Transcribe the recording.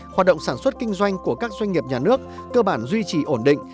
hoạt động sản xuất kinh doanh của các doanh nghiệp nhà nước cơ bản duy trì ổn định